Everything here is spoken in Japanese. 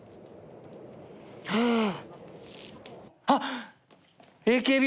あっ。